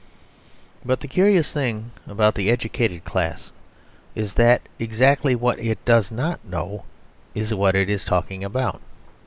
But the curious thing about the educated class is that exactly what it does not know is what it is talking about.